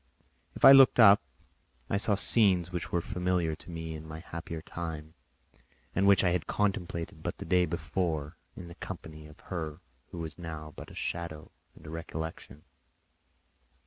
If I looked up, I saw scenes which were familiar to me in my happier time and which I had contemplated but the day before in the company of her who was now but a shadow and a recollection.